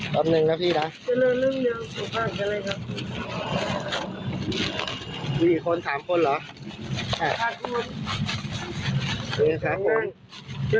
สักหนึ่งนะพี่นะจะเลิกเรื่องเดียวสุดท้ายก็เลยครับ